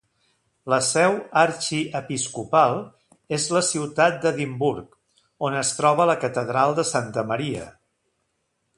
La seu arxiepiscopal és la ciutat d'Edimburg, on es troba la catedral de Santa Maria.